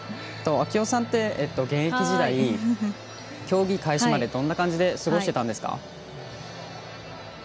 啓代さんって現役時代競技開始まで、どんな感じで過ごしていたんですか？